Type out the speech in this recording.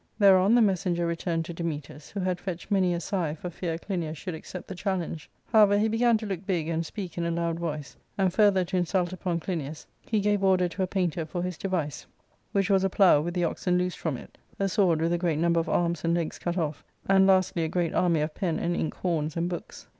Thereon the messenger returned to Dametas, who had fetched many a sigh for fear Clinias should accept the challenge. However, he began to look big and speak in a loud voice ; and, further to insult upon Clinias, he gave order to a painter for his device, which was a plough with the oxen loosed from it, a sword with a great number of arms and legs cut off, and lastly a great army of pen and ink horns and books.